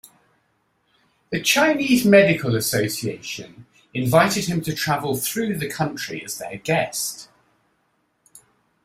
The Chinese Medical Association invited him to travel through the country as their guest.